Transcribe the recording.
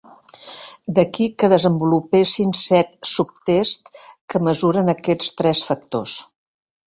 D'aquí que desenvolupessin set subtests que mesuren aquests tres factors.